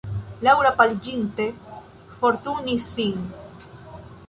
Laŭra, paliĝinte, forturnis sin.